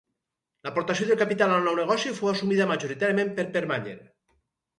L'aportació de capital al nou negoci fou assumida majoritàriament per Permanyer.